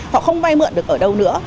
họ không vai mượn được ở đâu nữa